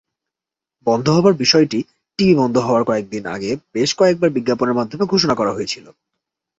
বন্ধ হবার বিষয়টি টিভি বন্ধ হওয়ার কয়েক দিন আগে বেশ কয়েকটি বিজ্ঞাপনের মাধ্যমে ঘোষণা করা হয়েছিল।